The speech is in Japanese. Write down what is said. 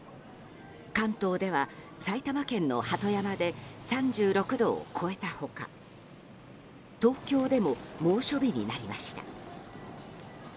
関東では埼玉県の鳩山で３６度を超えた他東京でも猛暑日になりました。